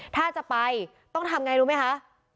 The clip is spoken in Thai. ถ้าจะไปต้องทำไงรู้ไหมคะ